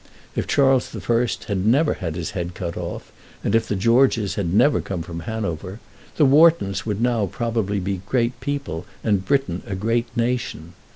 If Charles I had never had his head cut off, and if the Georges had never come from Hanover, the Whartons would now probably be great people and Britain a great nation.